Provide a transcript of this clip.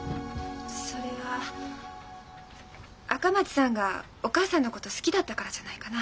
それは赤松さんがお母さんのこと好きだったからじゃないかな？